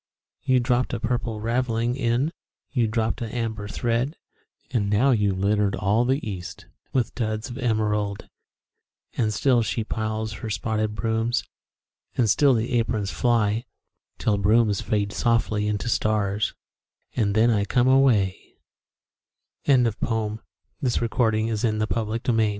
You dropped a Purple Ravelling in You dropped an Amber thread And now you've littered all the east With Duds of Emerald! And still she plies her spotted Brooms, And still the Aprons fly, Till Brooms fade softly into stars And then I come away Emily Dickinson (1861) There's a certain Slant